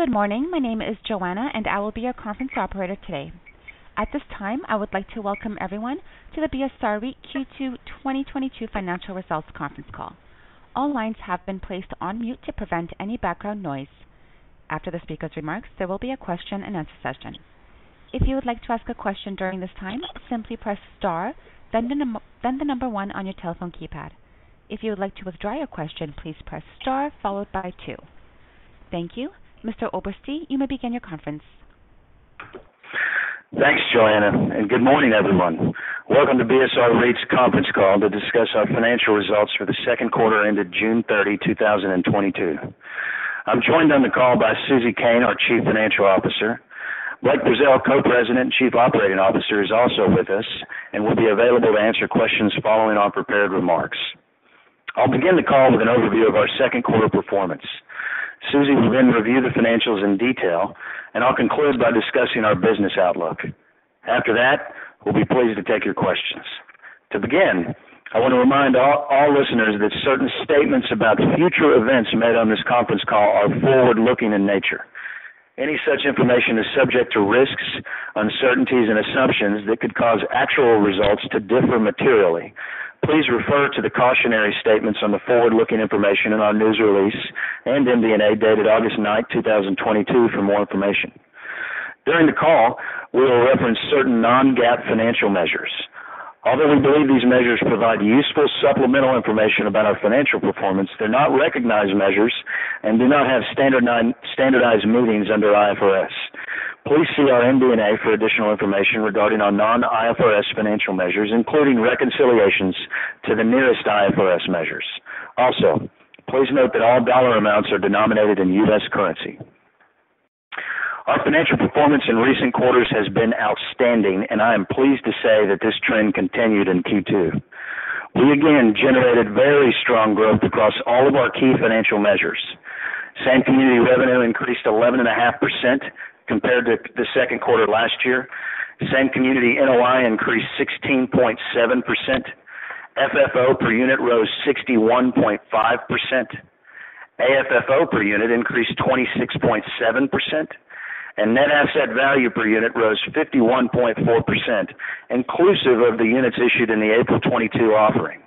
Good morning. My name is Joanna, and I will be your conference operator today. At this time, I would like to welcome everyone to the BSR REIT Q2 2022 financial results conference call. All lines have been placed on mute to prevent any background noise. After the speaker's remarks, there will be a question-and-answer session. If you would like to ask a question during this time, simply press star then the number one on your telephone keypad. If you would like to withdraw your question, please press star followed by two. Thank you. Mr. Oberste, you may begin your conference. Thanks, Joanna, and good morning, everyone. Welcome to BSR REIT's conference call to discuss our financial results for the second quarter ended June 30, 2022. I'm joined on the call by Susie Koehn, our Chief Financial Officer. Blake Brazeal, Co-President and Chief Operating Officer, is also with us and will be available to answer questions following our prepared remarks. I'll begin the call with an overview of our second quarter performance. Susie will then review the financials in detail, and I'll conclude by discussing our business outlook. After that, we'll be pleased to take your questions. To begin, I want to remind all listeners that certain statements about future events made on this conference call are forward-looking in nature. Any such information is subject to risks, uncertainties, and assumptions that could cause actual results to differ materially. Please refer to the cautionary statements on the forward-looking information in our news release and MD&A dated August 9, 2022 for more information. During the call, we will reference certain non-GAAP financial measures. Although we believe these measures provide useful supplemental information about our financial performance, they're not recognized measures and do not have standardized meanings under IFRS. Please see our MD&A for additional information regarding our non-IFRS financial measures, including reconciliations to the nearest IFRS measures. Also, please note that all dollar amounts are denominated in U.S. currency. Our financial performance in recent quarters has been outstanding, and I am pleased to say that this trend continued in Q2. We again generated very strong growth across all of our key financial measures. Same community revenue increased 11.5% compared to the second quarter last year. Same community NOI increased 16.7%. FFO per unit rose 61.5%. AFFO per unit increased 26.7%, and net asset value per unit rose 51.4%, inclusive of the units issued in the April 2022 offering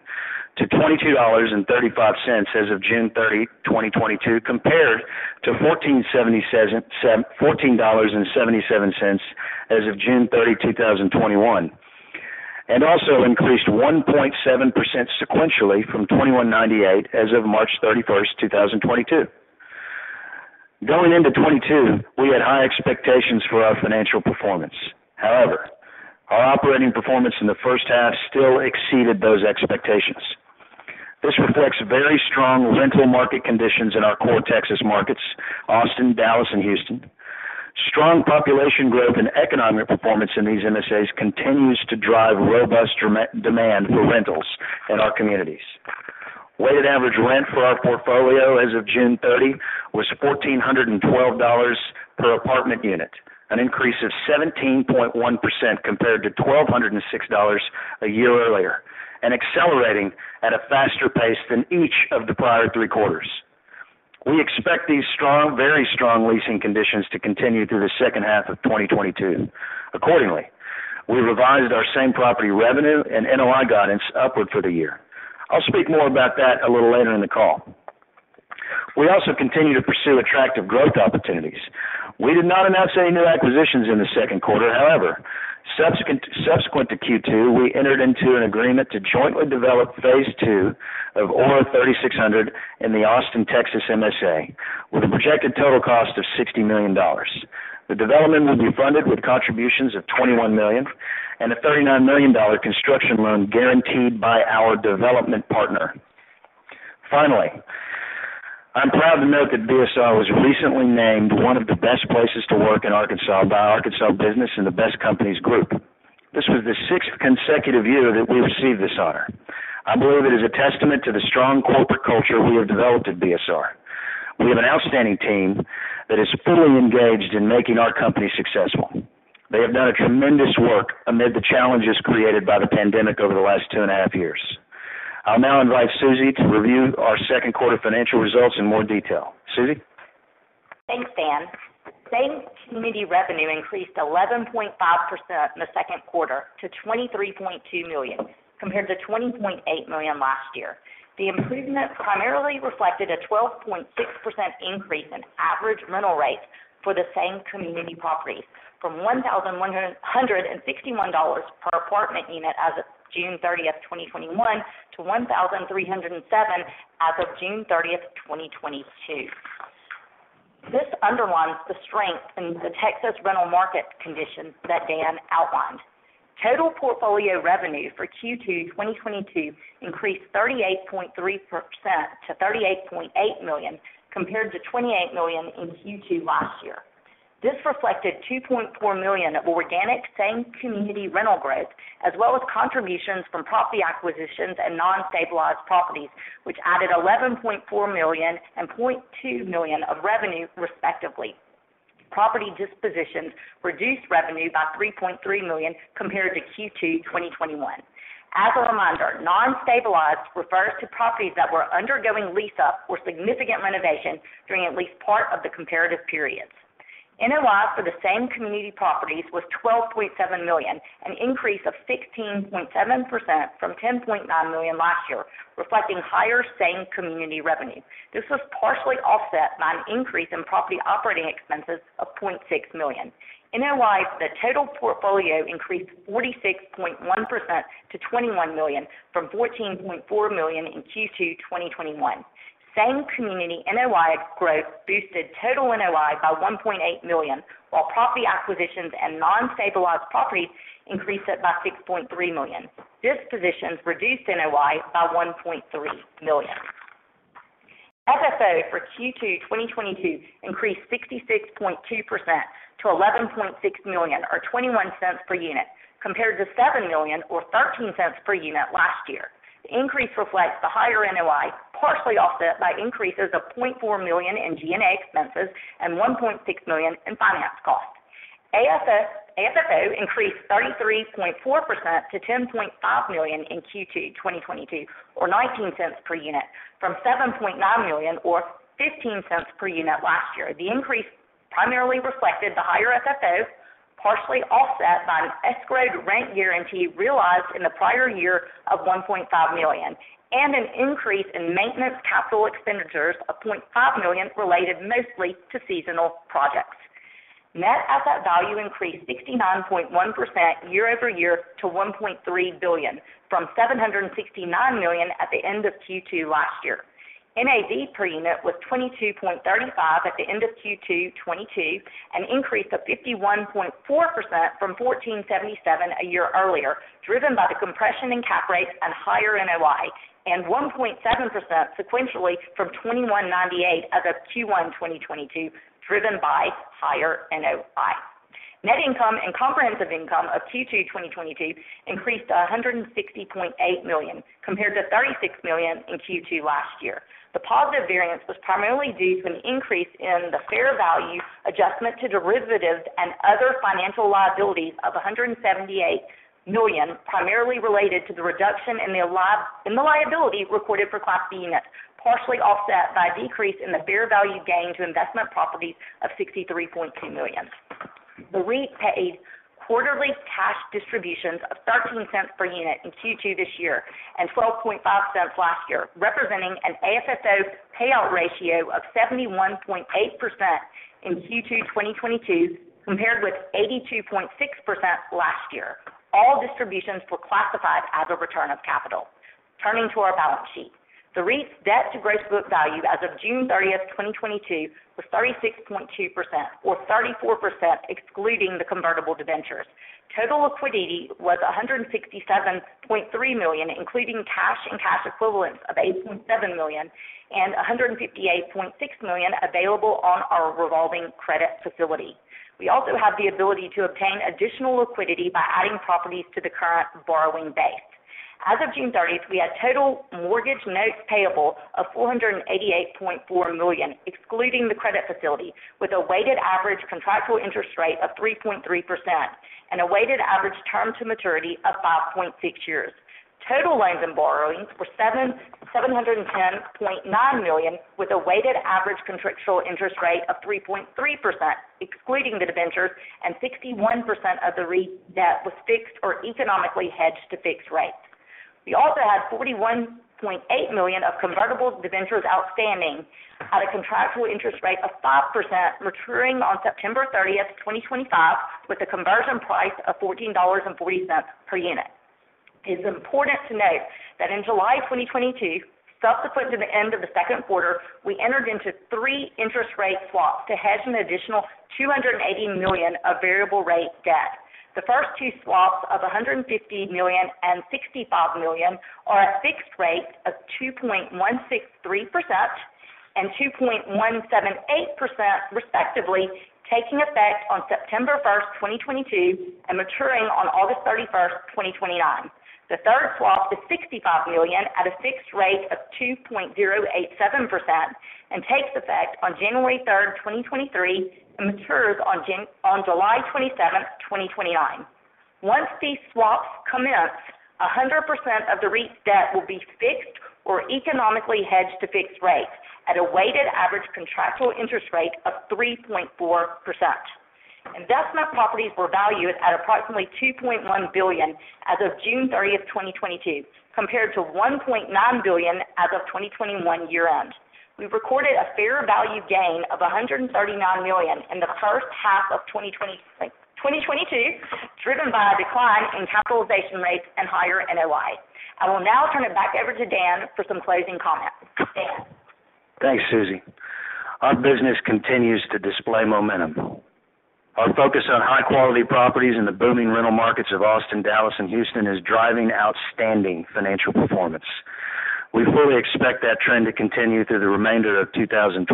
to $22.35 as of June 30, 2022, compared to $14.77 as of June 30, 2021, and also increased 1.7% sequentially from $21.98 as of March 31st, 2022. Going into 2022, we had high expectations for our financial performance. However, our operating performance in the first half still exceeded those expectations. This reflects very strong rental market conditions in our core Texas markets, Austin, Dallas, and Houston. Strong population growth and economic performance in these MSAs continues to drive robust demand for rentals in our communities. Weighted average rent for our portfolio as of June 30 was $1,412 per apartment unit, an increase of 17.1% compared to $1,206 a year earlier and accelerating at a faster pace than each of the prior three quarters. We expect these very strong leasing conditions to continue through the second half of 2022. Accordingly, we revised our same property revenue and NOI guidance upward for the year. I'll speak more about that a little later in the call. We also continue to pursue attractive growth opportunities. We did not announce any new acquisitions in the second quarter. However, subsequent to Q2, we entered into an agreement to jointly develop phase two of Aura 36Hundred in the Austin, Texas MSA with a projected total cost of $60 million. The development will be funded with contributions of $21 million and a $39 million construction loan guaranteed by our development partner. Finally, I'm proud to note that BSR was recently named one of the best places to work in Arkansas by Arkansas Business in the Best Companies Group. This was the sixth consecutive year that we received this honor. I believe it is a testament to the strong corporate culture we have developed at BSR. We have an outstanding team that is fully engaged in making our company successful. They have done a tremendous work amid the challenges created by the pandemic over the last two and a half years. I'll now invite Susie to review our second quarter financial results in more detail. Susie? Thanks, Dan. Same community revenue increased 11.5% in the second quarter to $23.2 million, compared to $20.8 million last year. The improvement primarily reflected a 12.6% increase in average rental rates for the same community properties from $1,161 per apartment unit as of June 30th, 2021, to $1,307 as of June 30th, 2022. This underlines the strength in the Texas rental market conditions that Dan outlined. Total portfolio revenue for Q2 2022 increased 38.3% to $38.8 million, compared to $28 million in Q2 last year. This reflected $2.4 million of organic same community rental growth, as well as contributions from property acquisitions and non-stabilized properties, which added $11.4 million and $0.2 million of revenue respectively. Property dispositions reduced revenue by $3.3 million compared to Q2 2021. As a reminder, non-stabilized refers to properties that were undergoing lease up or significant renovation during at least part of the comparative periods. NOI for the same community properties was $12.7 million, an increase of 16.7% from $10.9 million last year, reflecting higher same community revenue. This was partially offset by an increase in property operating expenses of $0.6 million. NOI for the total portfolio increased 46.1% to $21 million from $14.4 million in Q2 2021. Same community NOI growth boosted total NOI by $1.8 million, while property acquisitions and non-stabilized properties increased it by $6.3 million. Dispositions reduced NOI by $1.3 million. FFO for Q2 2022 increased 66.2% to $11.6 million or $0.21 per unit, compared to $7 million or $0.13 per unit last year. The increase reflects the higher NOI, partially offset by increases of $0.4 million in G&A expenses and $1.6 million in finance costs. AFFO increased 33.4% to $10.5 million in Q2 2022, or $0.19 per unit from $7.9 million or $0.15 per unit last year. The increase primarily reflected the higher FFO, partially offset by an escrowed rent guarantee realized in the prior year of $1.5 million, and an increase in maintenance capital expenditures of $0.5 million related mostly to seasonal projects. Net asset value increased 69.1% year-over-year to $1.3 billion from $769 million at the end of Q2 last year. NAV per unit was $22.35 at the end of Q2 2022, an increase of 51.4% from $14.77 a year earlier, driven by the compression in cap rates and higher NOI, and 1.7% sequentially from $21.98 as of Q1 2022, driven by higher NOI. Net income and comprehensive income of Q2 2022 increased to $160.8 million compared to $36 million in Q2 last year. The positive variance was primarily due to an increase in the fair value adjustment to derivatives and other financial liabilities of $178 million, primarily related to the reduction in the liability reported for Class B units, partially offset by a decrease in the fair value gain to investment properties of $63.2 million. The REIT paid quarterly cash distributions of $0.13 per unit in Q2 this year and $0.125 last year, representing an AFFO payout ratio of 71.8% in Q2 2022, compared with 82.6% last year. All distributions were classified as a return of capital. Turning to our balance sheet. The REIT's debt to gross book value as of June 30th, 2022 was 36.2% or 34% excluding the convertible debentures. Total liquidity was $167.3 million, including cash and cash equivalents of $8.7 million and $158.6 million available on our revolving credit facility. We also have the ability to obtain additional liquidity by adding properties to the current borrowing base. As of June 30th, we had total mortgage notes payable of $488.4 million, excluding the credit facility, with a weighted average contractual interest rate of 3.3% and a weighted average term to maturity of 5.6 years. Total loans and borrowings were $710.9 million, with a weighted average contractual interest rate of 3.3%, excluding the debentures, and 61% of the REIT's debt was fixed or economically hedged to fixed rates. We also had $41.8 million of convertible debentures outstanding at a contractual interest rate of 5%, maturing on September 30th, 2025, with a conversion price of $14.40 per unit. It's important to note that in July 2022, subsequent to the end of the second quarter, we entered into three interest rate swaps to hedge an additional $280 million of variable rate debt. The first two swaps of $150 million and $65 million are at fixed rates of 2.163% and 2.178% respectively, taking effect on September 1st, 2022 and maturing on August 31st, 2029. The third swap is $65 million at a fixed rate of 2.087% and takes effect on January 3rd, 2023 and matures on July 27th, 2029. Once these swaps commence, 100% of the REIT's debt will be fixed or economically hedged to fixed rates at a weighted average contractual interest rate of 3.4%. Investment properties were valued at approximately $2.1 billion as of June 30th, 2022, compared to $1.9 billion as of 2021 year-end. We recorded a fair value gain of $139 million in the first half of 2022, driven by a decline in capitalization rates and higher NOI. I will now turn it back over to Dan for some closing comments. Dan? Thanks, Susie. Our business continues to display momentum. Our focus on high-quality properties in the booming rental markets of Austin, Dallas, and Houston is driving outstanding financial performance. We fully expect that trend to continue through the remainder of 2022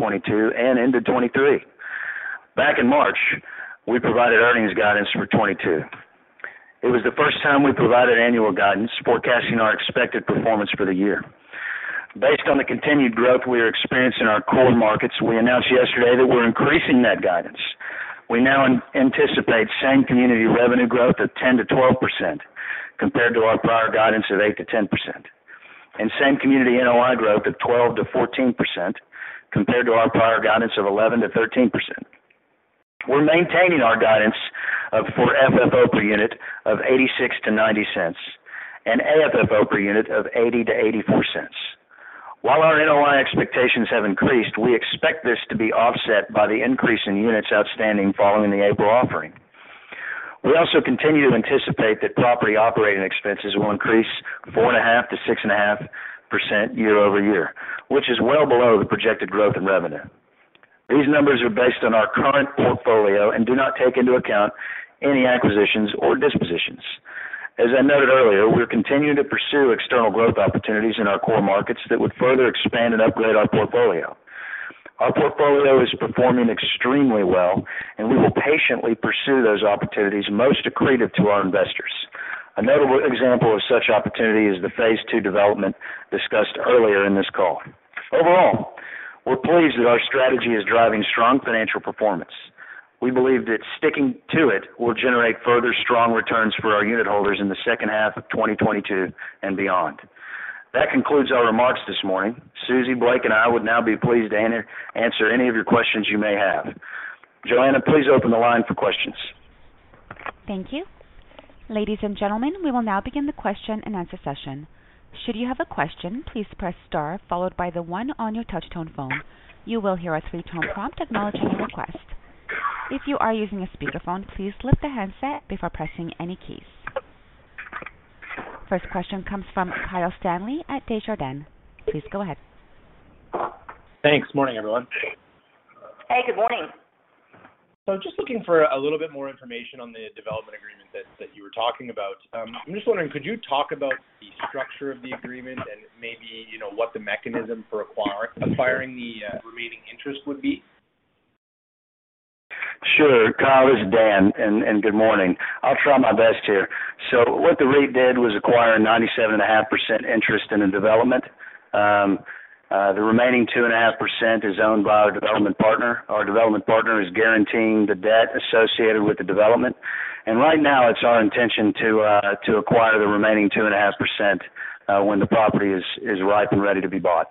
and into 2023. Back in March, we provided earnings guidance for 2022. It was the first time we provided annual guidance forecasting our expected performance for the year. Based on the continued growth we are experiencing in our core markets, we announced yesterday that we're increasing that guidance. We now anticipate same community revenue growth of 10% to 12% compared to our prior guidance of 8% to 10%. Same community NOI growth of 12% to 14% compared to our prior guidance of 11% to 13%. We're maintaining our guidance for FFO per unit of $0.86-$0.90 and AFFO per unit of $0.80-$0.84. While our NOI expectations have increased, we expect this to be offset by the increase in units outstanding following the April offering. We also continue to anticipate that property operating expenses will increase 4.5%-6.5% year-over-year, which is well below the projected growth in revenue. These numbers are based on our current portfolio and do not take into account any acquisitions or dispositions. As I noted earlier, we're continuing to pursue external growth opportunities in our core markets that would further expand and upgrade our portfolio. Our portfolio is performing extremely well, and we will patiently pursue those opportunities most accretive to our investors. A notable example of such opportunity is the phase two development discussed earlier in this call. Overall, we're pleased that our strategy is driving strong financial performance. We believe that sticking to it will generate further strong returns for our unit holders in the second half of 2022 and beyond. That concludes our remarks this morning. Susie, Blake, and I would now be pleased to answer any of your questions you may have. Joanna, please open the line for questions. Thank you. Ladies and gentlemen, we will now begin the question-and-answer session. Should you have a question, please press star followed by the one on your touch tone phone. You will hear a three-tone prompt acknowledging the request. If you are using a speakerphone, please lift the handset before pressing any keys. First question comes from Kyle Stanley at Desjardins. Please go ahead. Thanks. Morning, everyone. Hey, good morning. Just looking for a little bit more information on the development agreement that you were talking about. I'm just wondering, could you talk about the structure of the agreement and maybe, you know, what the mechanism for acquiring the remaining interest would be? Sure. Kyle, this is Dan, and good morning. I'll try my best here. What the REIT did was acquire 97.5% interest in a development. The remaining 2.5% is owned by our development partner. Our development partner is guaranteeing the debt associated with the development. Right now it's our intention to acquire the remaining 2.5%, when the property is ripe and ready to be bought.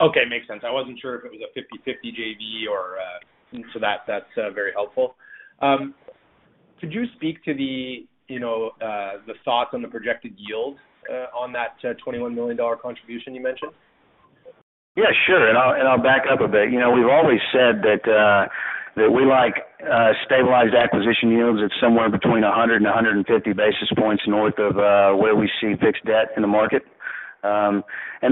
Okay. Makes sense. I wasn't sure if it was a 50/50 JV or. That's very helpful. Could you speak to the, you know, the thoughts on the projected yield on that $21 million contribution you mentioned? Yeah, sure. I'll back up a bit. You know, we've always said that we like stabilized acquisition yields at somewhere between 100 and 150 basis points north of where we see fixed debt in the market, and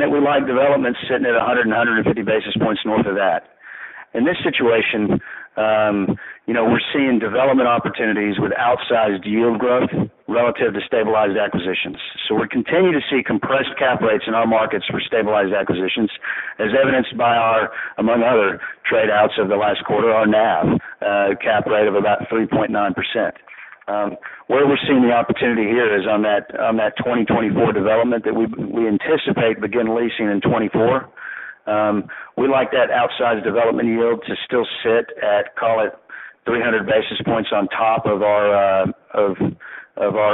that we like development sitting at 100 and 150 basis points north of that. In this situation, you know, we're seeing development opportunities with outsized yield growth relative to stabilized acquisitions. We continue to see compressed cap rates in our markets for stabilized acquisitions, as evidenced by our, among other trade outs of the last quarter, our NAV cap rate of about 3.9%. Where we're seeing the opportunity here is on that 2024 development that we anticipate begin leasing in 2024. We like that outsized development yield to still sit at, call it, 300 basis points on top of our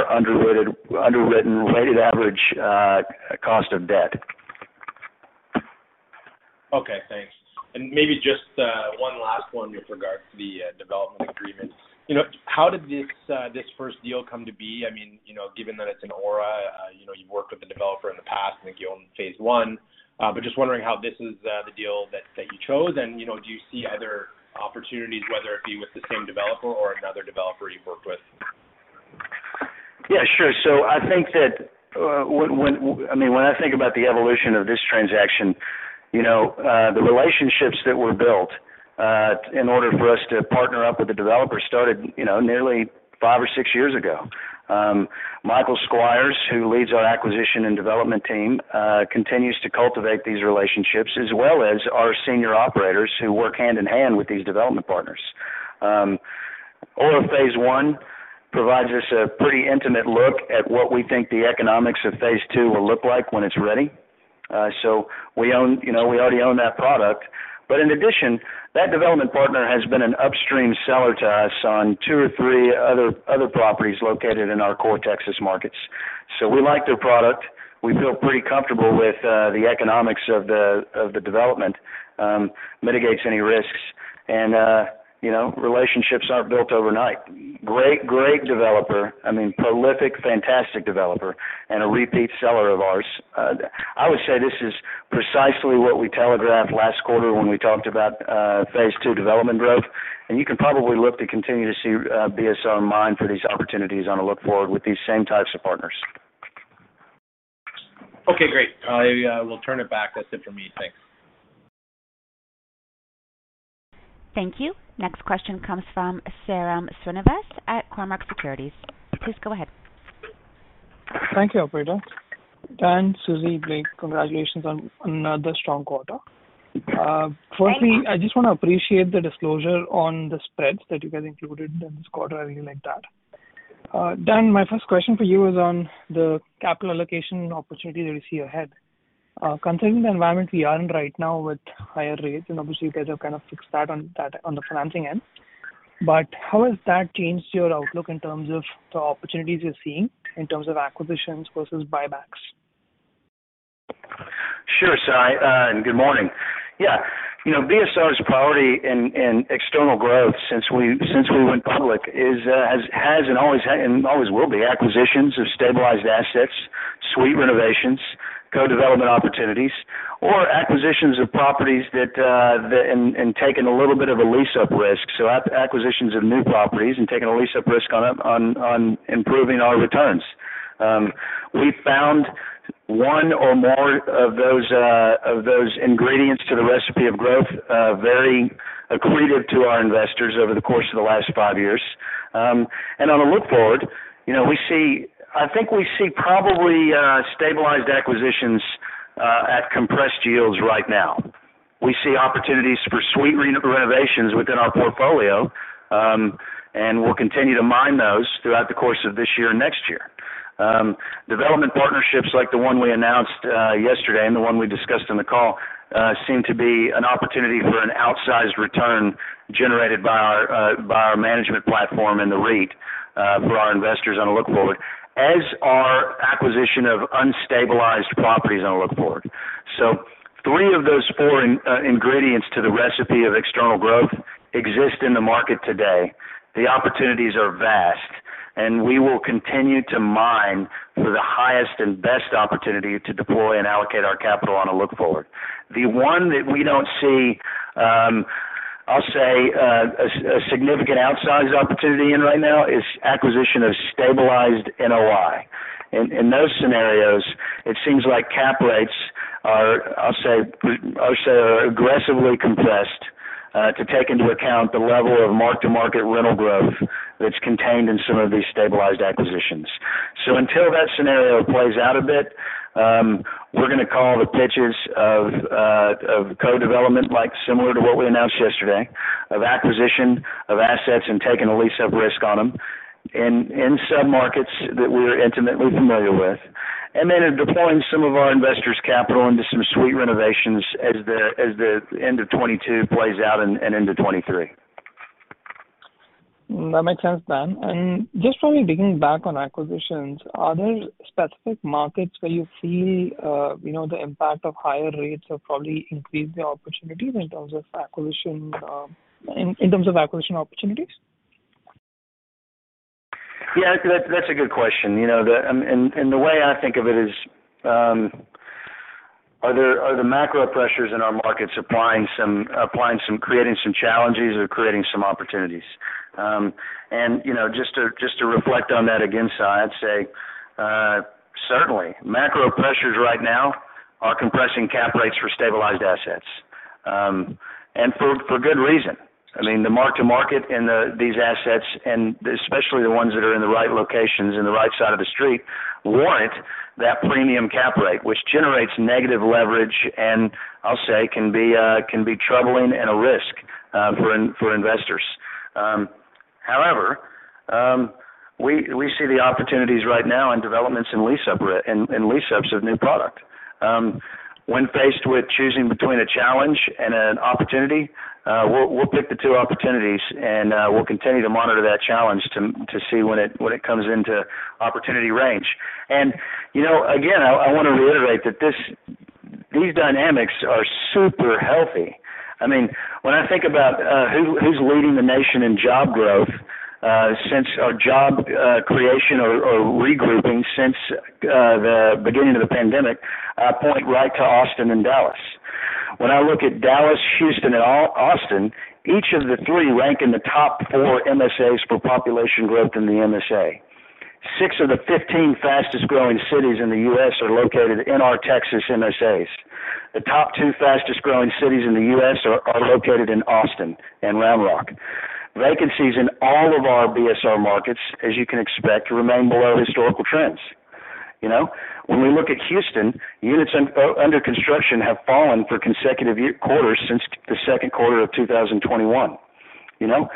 underwritten weighted average cost of debt. Okay, thanks. Maybe just one last one with regards to the development agreement. You know, how did this first deal come to be? I mean, you know, given that it's an Aura, you know, you've worked with the developer in the past, I think you own phase one. But just wondering how this is the deal that you chose. You know, do you see other opportunities, whether it be with the same developer or another developer you've worked with? Yeah, sure. I think that, I mean, when I think about the evolution of this transaction, you know, the relationships that were built in order for us to partner up with the developer started, you know, nearly five or six years ago. Michael Squires, who leads our acquisition and development team, continues to cultivate these relationships, as well as our senior operators who work hand-in-hand with these development partners. Aura phase one provides us a pretty intimate look at what we think the economics of phase II will look like when it's ready. You know, we already own that product. In addition, that development partner has been an upstream seller to us on two or three other properties located in our core Texas markets. We like their product. We feel pretty comfortable with the economics of the development mitigates any risks. You know, relationships aren't built overnight. Great developer. I mean, prolific, fantastic developer, and a repeat seller of ours. I would say this is precisely what we telegraphed last quarter when we talked about phase II development growth. You can probably look to continue to see BSR in mind for these opportunities on a look forward with these same types of partners. Okay, great. I will turn it back. That's it for me. Thanks. Thank you. Next question comes from Sairam Srinivas at Cormark Securities. Please go ahead. Thank you, operator. Dan, Susie, Blake, congratulations on another strong quarter. Firstly, I just wanna appreciate the disclosure on the spreads that you guys included in this quarter. I really like that. Dan, my first question for you is on the capital allocation opportunity that you see ahead. Considering the environment we are in right now with higher rates, and obviously you guys have kind of fixed that on that, on the financing end. How has that changed your outlook in terms of the opportunities you're seeing in terms of acquisitions versus buybacks? Sure, Sai, and good morning. Yeah. You know, BSR's priority in external growth since we went public has and always will be acquisitions of stabilized assets, suite renovations, co-development opportunities, or acquisitions of properties taking a little bit of a lease-up risk. Acquisitions of new properties and taking a lease-up risk on improving our returns. We found one or more of those ingredients to the recipe of growth very accretive to our investors over the course of the last five years. On a look-forward, you know, we see. I think we see probably stabilized acquisitions at compressed yields right now. We see opportunities for suite re-renovations within our portfolio, and we'll continue to mine those throughout the course of this year and next year. Development partnerships like the one we announced yesterday and the one we discussed on the call seem to be an opportunity for an outsized return generated by our management platform and the REIT for our investors on a look-forward, as are acquisition of unstabilized properties on a look-forward. Three of those four ingredients to the recipe of external growth exist in the market today. The opportunities are vast, and we will continue to mine for the highest and best opportunity to deploy and allocate our capital on a look-forward. The one that we don't see, I'll say, a significant outsized opportunity in right now is acquisition of stabilized NOI. In those scenarios, it seems like cap rates are, I'll say, are aggressively compressed to take into account the level of mark-to-market rental growth that's contained in some of these stabilized acquisitions. Until that scenario plays out a bit, we're gonna call the pitches of co-development, like similar to what we announced yesterday, of acquisition of assets and taking a lease-up risk on them in submarkets that we're intimately familiar with. Deploying some of our investors' capital into some suite renovations as the end of 2022 plays out and into 2023. That makes sense, Dan. Just probably digging back on acquisitions, are there specific markets where you feel, you know, the impact of higher rates have probably increased the opportunities in terms of acquisitions, in terms of acquisition opportunities? Yeah, that's a good question. You know, the way I think of it is, are the macro pressures in our markets creating some challenges or creating some opportunities? You know, just to reflect on that again, Sai, I'd say certainly. Macro pressures right now are compressing cap rates for stabilized assets. For good reason. I mean, the mark-to-market in these assets, and especially the ones that are in the right locations in the right side of the street, warrant that premium cap rate, which generates negative leverage, and I'll say can be troubling and a risk for investors. However, we see the opportunities right now in developments in lease ups of new product. When faced with choosing between a challenge and an opportunity, we'll pick the two opportunities and we'll continue to monitor that challenge to see when it comes into opportunity range. You know, again, I wanna reiterate that. These dynamics are super healthy. I mean, when I think about who's leading the nation in job creation or regrouping since the beginning of the pandemic, I point right to Austin and Dallas. When I look at Dallas, Houston, and Austin, each of the three rank in the top four MSAs for population growth in the MSA. Six of the 15 fastest-growing cities in the U.S. are located in our Texas MSAs. The top two fastest-growing cities in the U.S. are located in Austin and Round Rock. Vacancies in all of our BSR markets, as you can expect, remain below historical trends. You know? When we look at Houston, units under construction have fallen for consecutive quarters since the second quarter of 2021, you know?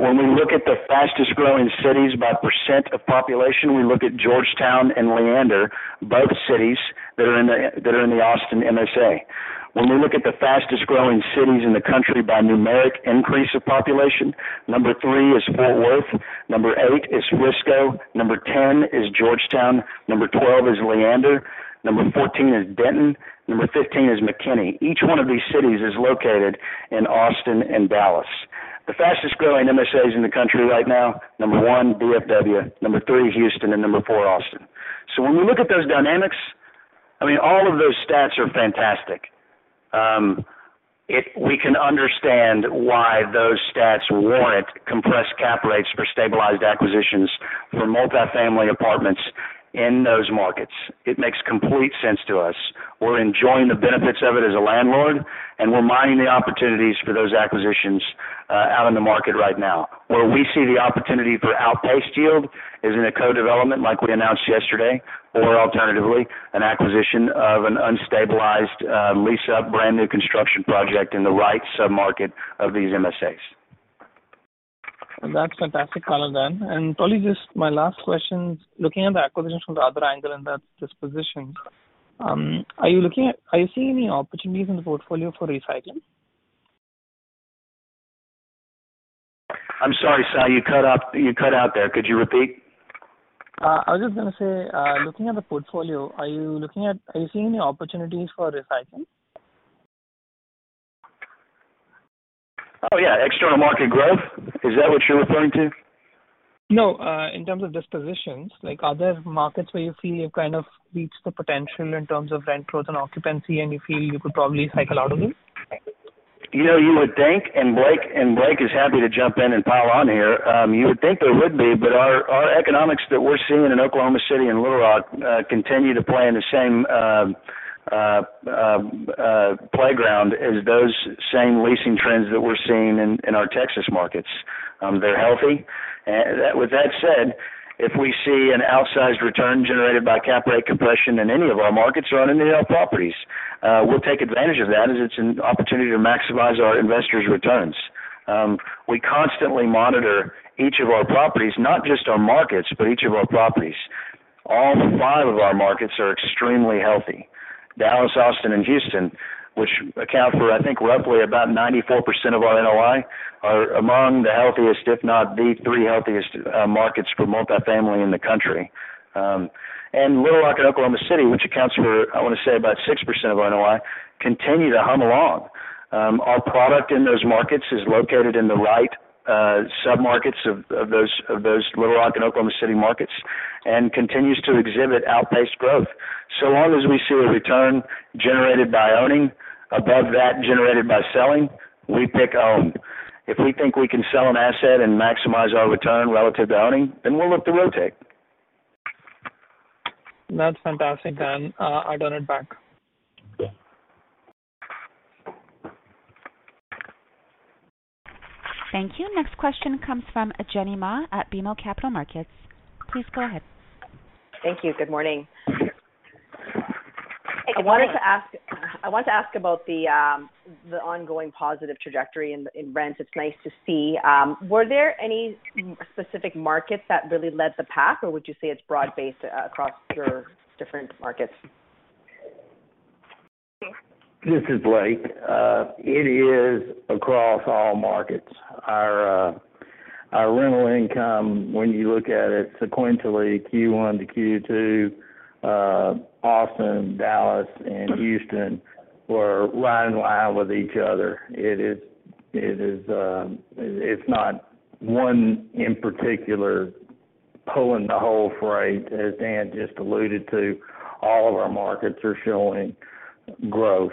When we look at the fastest-growing cities by percent of population, we look at Georgetown and Leander, both cities that are in the Austin MSA. When we look at the fastest-growing cities in the country by numeric increase of population, number three is Fort Worth, number eight is Frisco, number 10 is Georgetown, number 12 is Leander, number 14 is Denton, number 15 is McKinney. Each one of these cities is located in Austin and Dallas. The fastest-growing MSAs in the country right now, number one, DFW, number three, Houston, and number four, Austin. When we look at those dynamics, I mean, all of those stats are fantastic. We can understand why those stats warrant compressed cap rates for stabilized acquisitions for multifamily apartments in those markets. It makes complete sense to us. We're enjoying the benefits of it as a landlord, and we're mining the opportunities for those acquisitions out in the market right now. Where we see the opportunity for outpaced yield is in a co-development like we announced yesterday, or alternatively, an acquisition of an unstabilized lease-up brand-new construction project in the right submarket of these MSAs. That's fantastic color, then. Probably just my last question, looking at the acquisition from the other angle and that disposition, are you seeing any opportunities in the portfolio for recycling? I'm sorry, Sai, you cut off. You cut out there. Could you repeat? I was just gonna say, looking at the portfolio, are you seeing any opportunities for recycling? Oh, yeah. External market growth. Is that what you're referring to? No, in terms of dispositions, like are there markets where you feel you've kind of reached the potential in terms of rent growth and occupancy, and you feel you could probably cycle out of it? You know, you would think, and Blake is happy to jump in and pile on here. You would think there would be, but our economics that we're seeing in Oklahoma City and Little Rock continue to play in the same playground as those same leasing trends that we're seeing in our Texas markets. They're healthy. With that said, if we see an outsized return generated by cap rate compression in any of our markets or on any of our properties, we'll take advantage of that as it's an opportunity to maximize our investors' returns. We constantly monitor each of our properties, not just our markets, but each of our properties. All five of our markets are extremely healthy. Dallas, Austin and Houston, which account for, I think, roughly about 94% of our NOI, are among the healthiest, if not the three healthiest, markets for multi-family in the country. Little Rock and Oklahoma City, which accounts for, I want to say, about 6% of NOI, continue to hum along. Our product in those markets is located in the right submarkets of those Little Rock and Oklahoma City markets and continues to exhibit outpaced growth. So long as we see a return generated by owning above that generated by selling, we pick to own. If we think we can sell an asset and maximize our return relative to owning, we'll look to rotate. That's fantastic, Dan. I'll turn it back. Yeah. Thank you. Next question comes from Jenny Ma at BMO Capital Markets. Please go ahead. Thank you. Good morning. Good morning. I want to ask about the ongoing positive trajectory in rents. It's nice to see. Were there any specific markets that really led the pack, or would you say it's broad-based across your different markets? This is Blake. It is across all markets. Our rental income, when you look at it sequentially, Q1 to Q2, Austin, Dallas and Houston were right in line with each other. It is not one in particular pulling the whole weight. As Dan just alluded to, all of our markets are showing growth.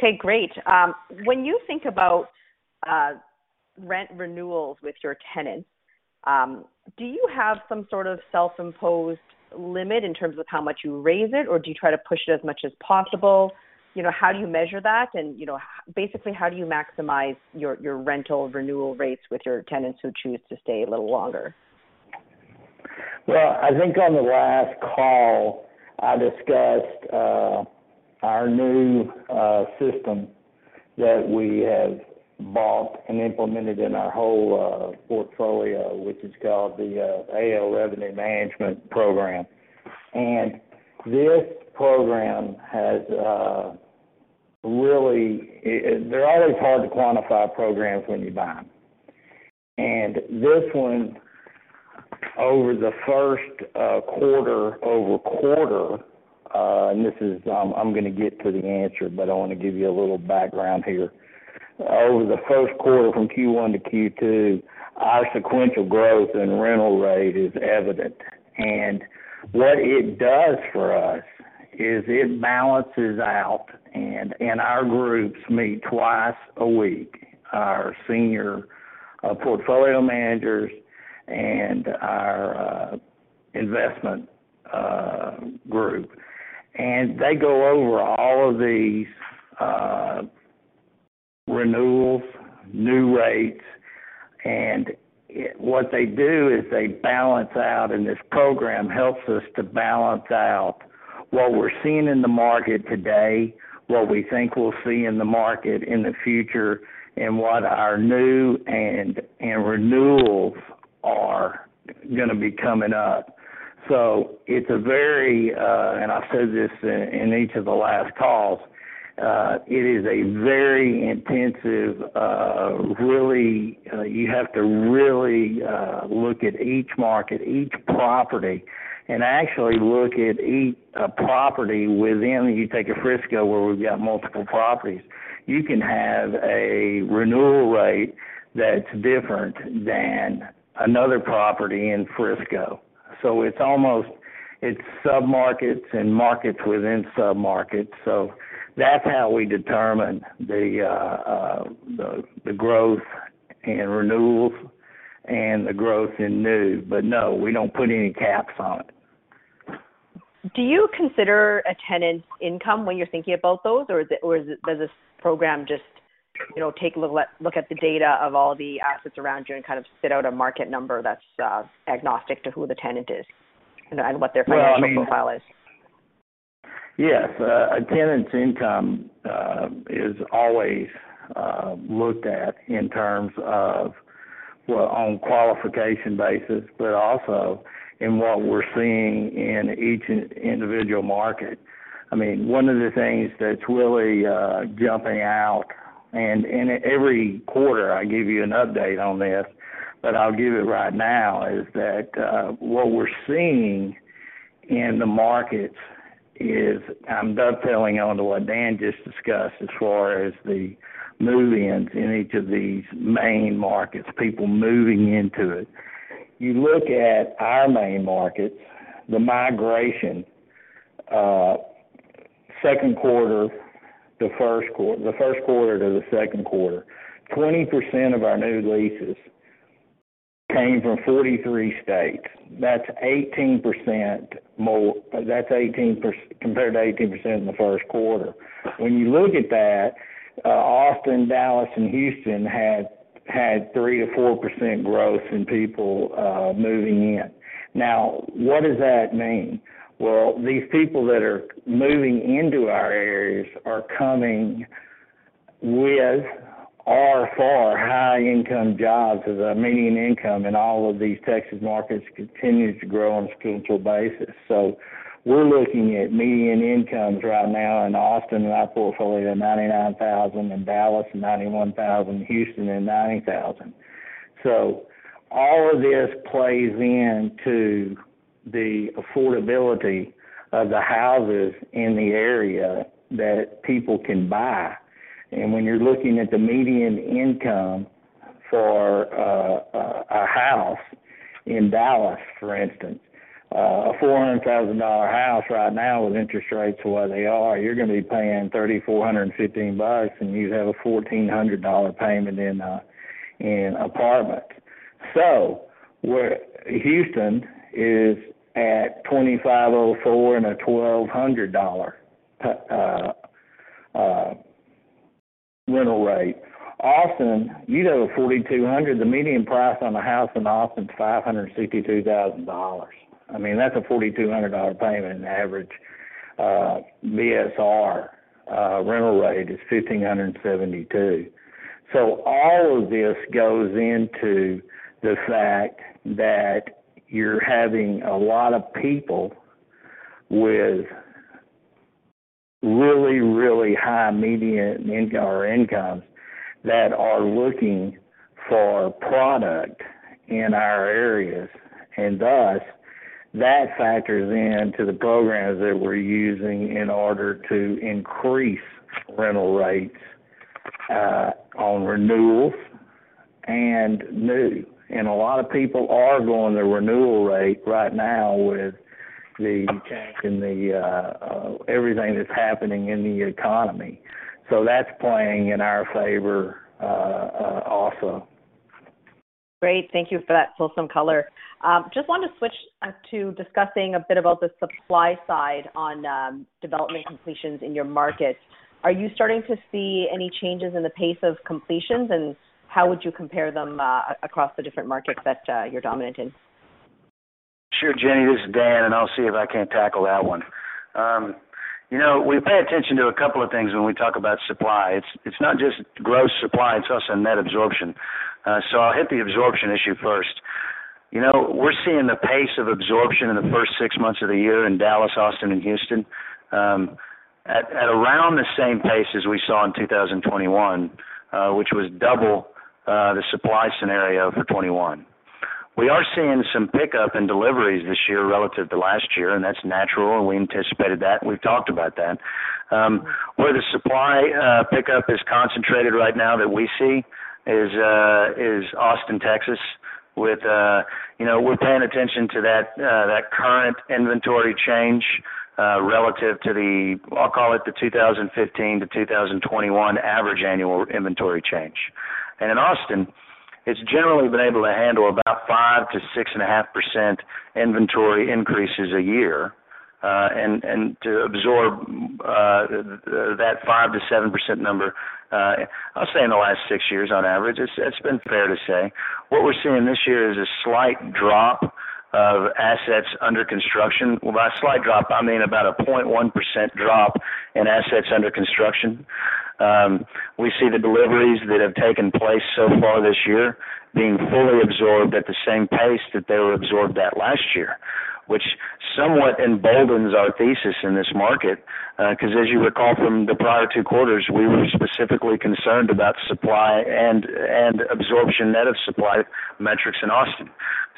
Okay, great. When you think about rent renewals with your tenants, do you have some sort of self-imposed limit in terms of how much you raise it or do you try to push it as much as possible? You know, how do you measure that? You know, basically, how do you maximize your rental renewal rates with your tenants who choose to stay a little longer? Well, I think on the last call, I discussed our new system that we have bought and implemented in our whole portfolio, which is called the [AO] Revenue Management Program. This program has really. They're always hard to quantify programs when you buy them. This one over the first quarter-over-quarter. I'm gonna get to the answer, but I want to give you a little background here. Over the first quarter from Q1 to Q2, our sequential growth and rental rate is evident. What it does for us is it balances out. Our groups meet twice a week, our senior portfolio managers and our investment group. They go over all of these renewals, new rates, and what they do is they balance out, and this program helps us to balance out what we're seeing in the market today, what we think we'll see in the market in the future, and what our new and renewals are gonna be coming up. So it's a very intensive, and I've said this in each of the last calls. It is a very intensive, really. You have to really look at each market, each property, and actually look at each property within. You take a Frisco where we've got multiple properties, you can have a renewal rate that's different than another property in Frisco. So it's almost. It's submarkets and markets within submarkets. So that's how we determine the growth in renewals and the growth in new. No, we don't put any caps on it. Do you consider a tenant's income when you're thinking about those or is it does this program just, you know, take a look at the data of all the assets around you and kind of spit out a market number that's agnostic to who the tenant is and what their financial profile is? Yes, a tenant's income is always looked at in terms of, well, on qualification basis, but also in what we're seeing in each individual market. I mean, one of the things that's really jumping out, and every quarter I give you an update on this, but I'll give it right now, is that what we're seeing in the markets is I'm dovetailing on to what Dan just discussed as far as the move-ins in each of these main markets, people moving into it. You look at our main markets, the migration, second quarter, the first quarter to the second quarter, 20% of our new leases came from 43 states. That's 18% more compared to 18% in the first quarter. When you look at that, Austin, Dallas and Houston had three to four percent growth in people moving in. Now, what does that mean? Well, these people that are moving into our areas are coming with far higher-income jobs as our median income in all of these Texas markets continues to grow on a sequential basis. We're looking at median incomes right now in Austin, in our portfolio, $99,000, in Dallas $91,000, Houston, and $90,000. All of this plays into the affordability of the houses in the area that people can buy. When you're looking at the median income for a house in Dallas, for instance, a $400,000 house right now with interest rates the way they are, you're gonna be paying $3,415 bucks, and you'd have a $1,400 payment in an apartment. Where Houston is at $2,504 and a $1,200 rental rate. Austin, you know, $4,200, the median price on a house in Austin is $562,000. I mean, that's a $4,200 payment. Average BSR rental rate is $1,572. All of this goes into the fact that you're having a lot of people with really, really high median income or incomes that are looking for product in our areas, and thus that factors into the programs that we're using in order to increase rental rates on renewals and new. A lot of people are going to renewal rate right now with the change in everything that's happening in the economy. That's playing in our favor, also. Great. Thank you for that wholesome color. Just want to switch to discussing a bit about the supply side on development completions in your markets. Are you starting to see any changes in the pace of completions, and how would you compare them across the different markets that you're dominant in? Sure, Jenny, this is Dan, and I'll see if I can't tackle that one. You know, we pay attention to a couple of things when we talk about supply. It's not just gross supply, it's also net absorption. I'll hit the absorption issue first. You know, we're seeing the pace of absorption in the first six months of the year in Dallas, Austin, and Houston, at around the same pace as we saw in 2021, which was double the supply scenario for 2021. We are seeing some pickup in deliveries this year relative to last year, and that's natural. We anticipated that. We've talked about that. Where the supply pickup is concentrated right now that we see is Austin, Texas, with you know. We're paying attention to that current inventory change relative to the 2015 to 2021 average annual inventory change. In Austin, it's generally been able to handle about 5%-6.5% inventory increases a year, and to absorb that 5%-7% number, I'll say in the last six years on average. It's been fair to say. What we're seeing this year is a slight drop of assets under construction. Well, by slight drop, I mean about a 0.1% drop in assets under construction. We see the deliveries that have taken place so far this year being fully absorbed at the same pace that they were absorbed at last year, which somewhat emboldens our thesis in this market, 'cause as you recall from the prior two quarters, we were specifically concerned about supply and absorption net of supply metrics in Austin.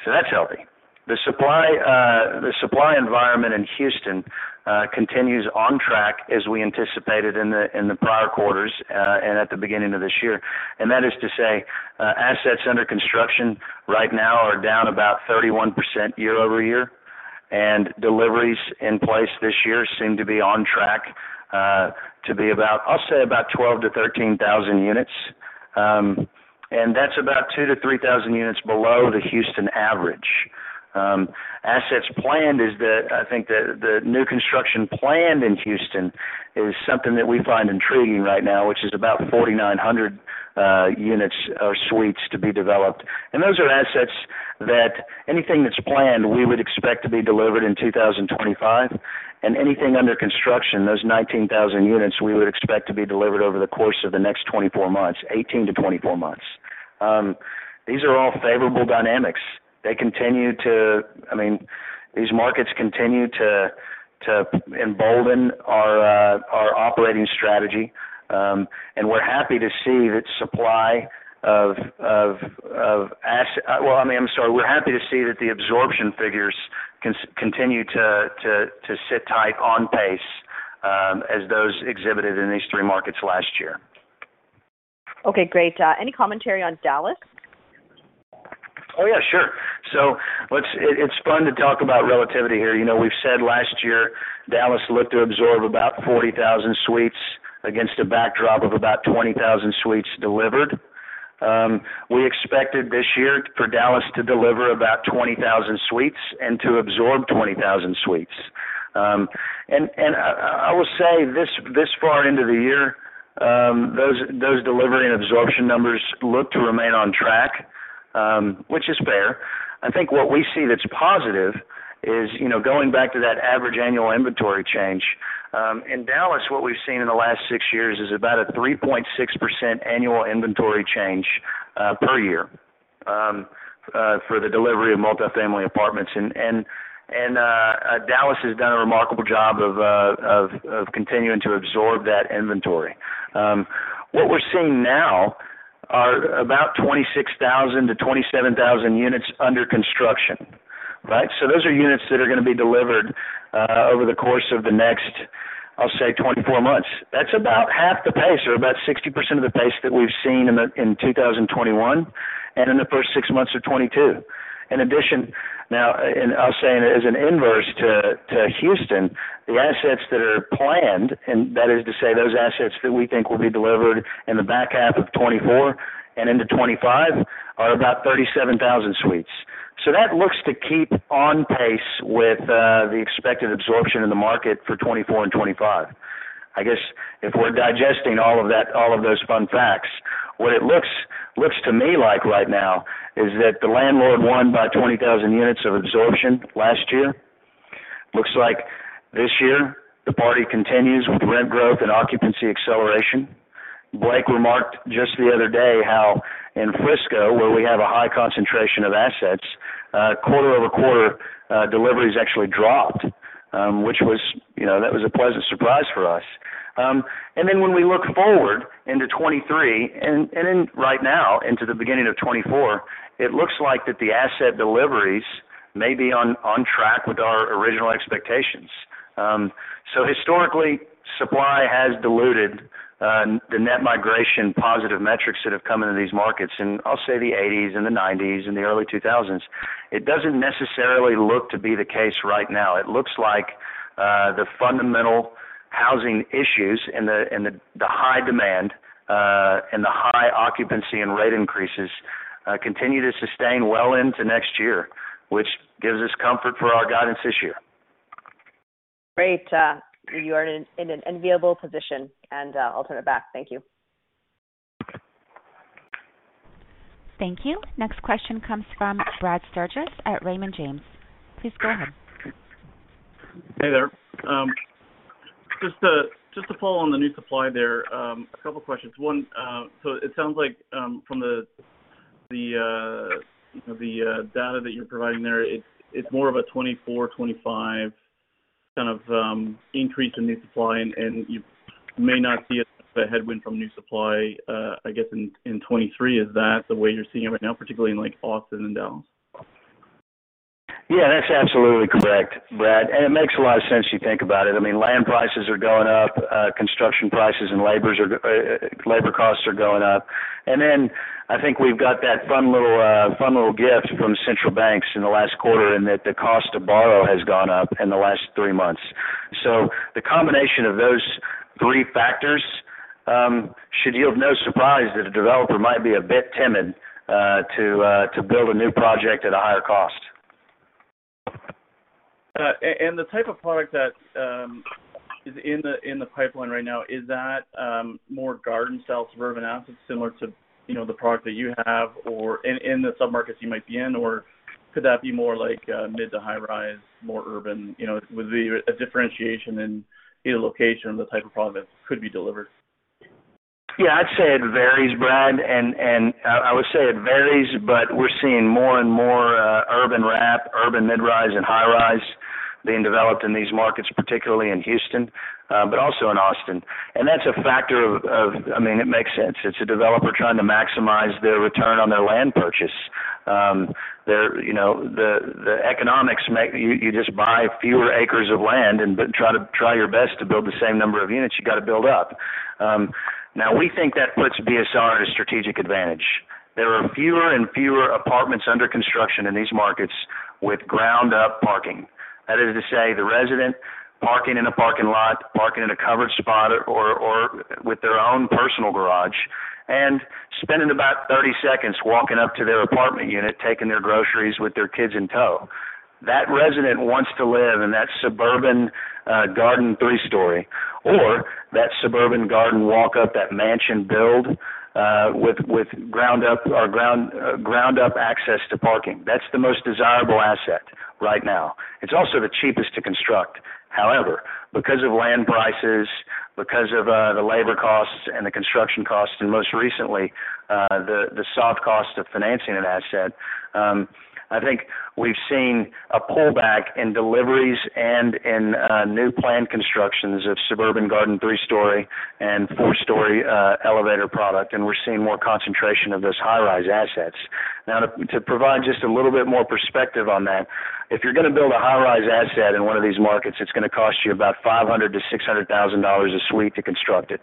That's healthy. The supply environment in Houston continues on track as we anticipated in the prior quarters and at the beginning of this year. That is to say, assets under construction right now are down about 31% year-over-year, and deliveries in place this year seem to be on track to be about, I'll say about 12,000 to 13,000 units. And that's about 2,000 to 3,000 units below the Houston average. As it's planned, I think the new construction planned in Houston is something that we find intriguing right now, which is about 4,900 units or suites to be developed. Those are assets. That anything that's planned, we would expect to be delivered in 2025. Anything under construction, those 19,000 units, we would expect to be delivered over the course of the next 24 months, 18 to 24 months. These are all favorable dynamics. I mean, these markets continue to embolden our operating strategy. Well, I mean, I'm sorry. We're happy to see that the absorption figures continue to stay on pace as those exhibited in these three markets last year. Okay, great. Any commentary on Dallas? Oh, yeah, sure. It's fun to talk about relativity here. You know, we've said last year, Dallas looked to absorb about 40,000 suites against a backdrop of about 20,000 suites delivered. We expected this year for Dallas to deliver about 20,000 suites and to absorb 20,000 suites. I will say this far into the year, those delivery and absorption numbers look to remain on track, which is fair. I think what we see that's positive is, you know, going back to that average annual inventory change. In Dallas, what we've seen in the last six years is about a 3.6% annual inventory change per year for the delivery of multifamily apartments. Dallas has done a remarkable job of continuing to absorb that inventory. What we're seeing now are about 26,000 to 27,000 units under construction, right? Those are units that are gonna be delivered over the course of the next, I'll say, 24 months. That's about half the pace or about 60% of the pace that we've seen in 2021 and in the first six months of 2022. In addition, now, and I'll say it as an inverse to Houston, the assets that are planned, and that is to say those assets that we think will be delivered in the back half of 2024 and into 2025, are about 37,000 suites. That looks to keep on pace with the expected absorption in the market for 2024 and 2025. I guess if we're digesting all of that, all of those fun facts, what it looks to me like right now is that the landlord won by 20,000 units of absorption last year. Looks like this year the party continues with rent growth and occupancy acceleration. Blake remarked just the other day how in Frisco, where we have a high concentration of assets, quarter-over-quarter deliveries actually dropped, which was, you know, that was a pleasant surprise for us. When we look forward into 2023 and in right now into the beginning of 2024, it looks like that the asset deliveries may be on track with our original expectations. Historically, supply has diluted the net migration positive metrics that have come into these markets in, I'll say, the 80s and the 90s and the early 2000s. It doesn't necessarily look to be the case right now. It looks like the fundamental housing issues and the high demand and the high occupancy and rate increases continue to sustain well into next year, which gives us comfort for our guidance this year. Great. You are in an enviable position, and I'll turn it back. Thank you. Thank you. Next question comes from Brad Sturges at Raymond James. Please go ahead. Hey there. Just to follow on the new supply there, a couple questions. One, so it sounds like from the data that you're providing there, it's more of a 2024, 2025 kind of increase in new supply, and you may not see a headwind from new supply, I guess in 2023. Is that the way you're seeing it right now, particularly in like Austin and Dallas? Yeah, that's absolutely correct, Brad, and it makes a lot of sense if you think about it. I mean, land prices are going up, construction prices and labor costs are going up. Then I think we've got that fun little gift from central banks in the last quarter, and that the cost to borrow has gone up in the last three months. The combination of those three factors should yield no surprise that a developer might be a bit timid to build a new project at a higher cost. The type of product that is in the pipeline right now, is that more garden-style suburban assets similar to, you know, the product that you have or in the submarkets you might be in? Or could that be more like mid to high rise, more urban? You know, would there be a differentiation in, you know, location of the type of product that could be delivered? Yeah, I'd say it varies, Brad. I would say it varies, but we're seeing more and more urban wrap, urban mid-rise and high-rise being developed in these markets, particularly in Houston, but also in Austin. That's a factor. I mean, it makes sense. It's a developer trying to maximize their return on their land purchase. There, you know, the economics make you just buy fewer acres of land and try your best to build the same number of units, you gotta build up. Now we think that puts BSR at a strategic advantage. There are fewer and fewer apartments under construction in these markets with ground up parking. That is to say, the resident parking in a parking lot, parking in a covered spot or with their own personal garage, and spending about 30 seconds walking up to their apartment unit, taking their groceries with their kids in tow. That resident wants to live in that suburban garden three-story or that suburban garden walk-up, that mansion build with ground up access to parking. That's the most desirable asset right now. It's also the cheapest to construct. However, because of land prices, because of the labor costs and the construction costs, and most recently, the soft cost of financing an asset, I think we've seen a pullback in deliveries and in new planned constructions of suburban garden three-story and four-story elevator product, and we're seeing more concentration of those high-rise assets. Now, to provide just a little bit more perspective on that, if you're gonna build a high-rise asset in one of these markets, it's gonna cost you about $500,000-$600,000 a suite to construct it.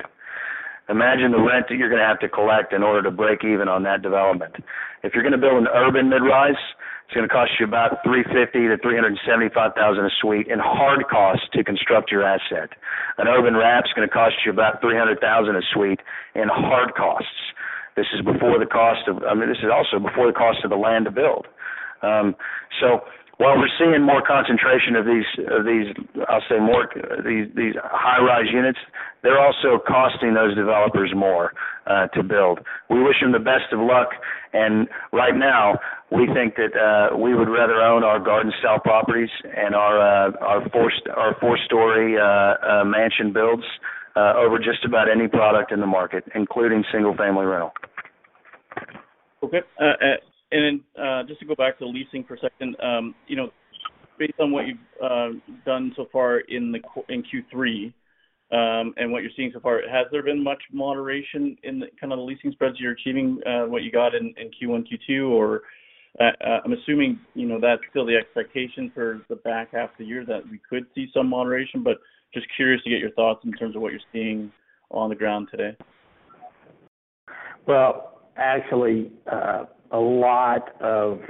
Imagine the rent that you're gonna have to collect in order to break even on that development. If you're gonna build an urban mid-rise, it's gonna cost you about $350,000-$375,000 a suite in hard costs to construct your asset. An urban wrap's gonna cost you about $300,000 a suite in hard costs. This is before the cost of I mean, this is also before the cost of the land to build. So while we're seeing more concentration of these high-rise units, they're also costing those developers more to build. We wish them the best of luck, and right now, we think that we would rather own our garden style properties and our four-story mansion builds over just about any product in the market, including single-family rental. Okay. Just to go back to the leasing for a second. You know, based on what you've done so far in Q3, and what you're seeing so far, has there been much moderation in the kind of the leasing spreads you're achieving, what you got in Q1, Q2? Or, I'm assuming, you know, that's still the expectation for the back half of the year that we could see some moderation, but just curious to get your thoughts in terms of what you're seeing on the ground today. Well, actually, a lot of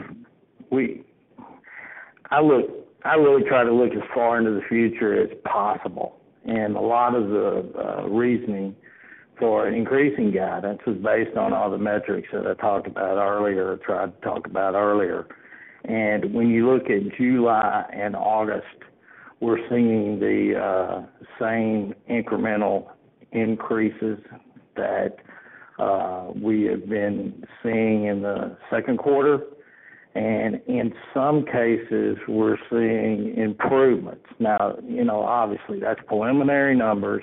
I really try to look as far into the future as possible, and a lot of the reasoning for increasing guidance is based on all the metrics that I talked about earlier or tried to talk about earlier. When you look at July and August, we're seeing the same incremental increases that we have been seeing in the second quarter. In some cases, we're seeing improvements. Now, you know, obviously, that's preliminary numbers,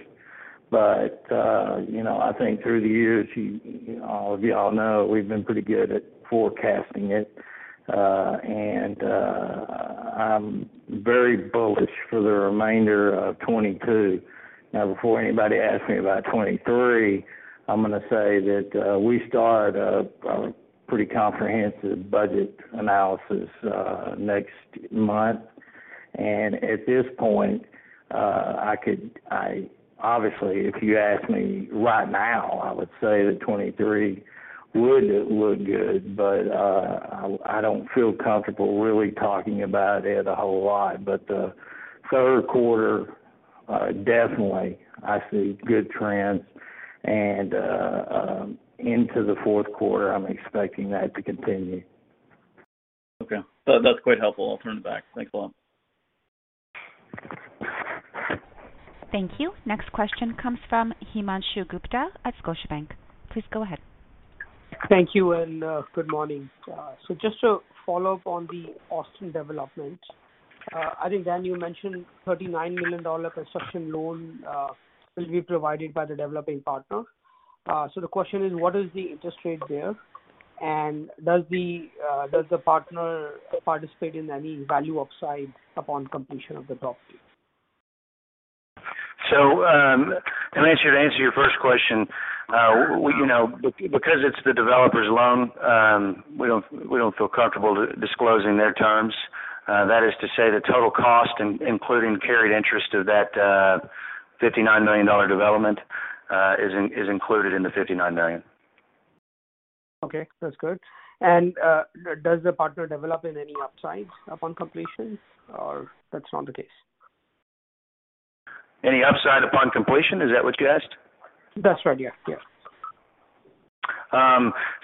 but you know, I think through the years, you all know, we've been pretty good at forecasting it. I'm very bullish for the remainder of 2022. Now, before anybody asks me about 2023, I'm gonna say that we start a pretty comprehensive budget analysis next month. At this point, I could. Obviously, if you ask me right now, I would say that 2023 would look good, but I don't feel comfortable really talking about it a whole lot. Third quarter, definitely I see good trends, and into the fourth quarter, I'm expecting that to continue. Okay. That's quite helpful. I'll turn it back. Thanks a lot. Thank you. Next question comes from Himanshu Gupta at Scotiabank. Please go ahead. Thank you, good morning. Just to follow up on the Austin development. I think, Dan, you mentioned $39 million construction loan will be provided by the developing partner. The question is, what is the interest rate there? Does the partner participate in any value upside upon completion of the property? Himanshu, to answer your first question, you know, because it's the developer's loan, we don't feel comfortable disclosing their terms. That is to say the total cost including carried interest of that $59 million development is included in the $59 million. Okay, that's good. Does the partner develop in any upside upon completion, or that's not the case? Any upside upon completion, is that what you asked? That's right. Yeah. Yeah.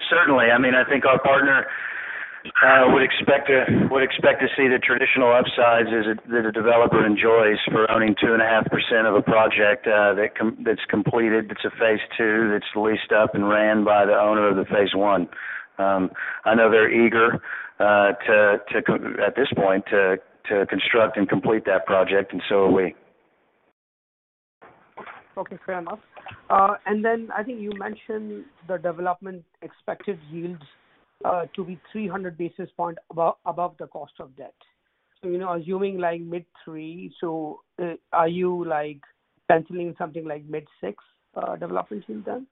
Certainly. I mean, I think our partner would expect to see the traditional upsides that a developer enjoys for owning 2.5% of a project, that's completed, that's a phase II, that's leased up and run by the owner of the phase I. I know they're eager to construct and complete that project, and so are we. Okay, fair enough. I think you mentioned the development expected yields to be 300 basis points above the cost of debt. You know, assuming like mid-three, are you, like, penciling something like mid-six development since then?